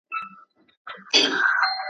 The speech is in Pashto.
که کتاب له ټولني جلا سي اغېز يې کمېږي.